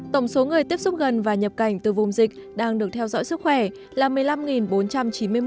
tổng số người tiếp xúc gần và nhập cảnh từ vùng dịch đang được theo dõi sức khỏe là một mươi năm bốn trăm chín mươi một người